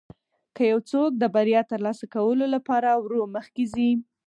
که یو څوک د بریا ترلاسه کولو لپاره ورو مخکې ځي.